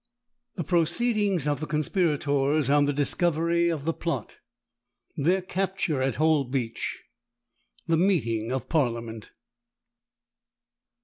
THE PROCEEDINGS OF THE CONSPIRATORS ON THE DISCOVERY OF THE PLOT—THEIR CAPTURE AT HOLBEACH—THE MEETING OF PARLIAMENT.